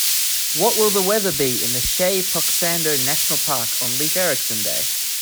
What will the weather be in Sche-Phoksundo-Nationalpark on leif erikson day?